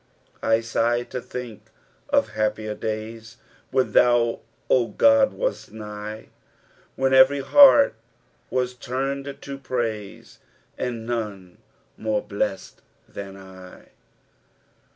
" I deb to tblnk ol happier days When thou, O Goci, wast nigh. When every hvarC wag tuned to praise; And DDUouiore blest than I."